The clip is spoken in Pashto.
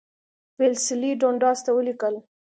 ویلسلي ډونډاس ته ولیکل.